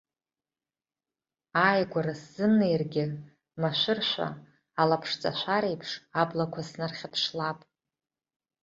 Ааигәара сзымнеиргьы, машәыршәа алаԥшҵашәареиԥш аблақәа снархьыԥшлап.